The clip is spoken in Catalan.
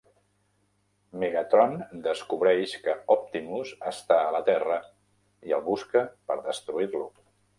Megatron descobreix que Optimus està a la Terra i el busca per destruir-lo.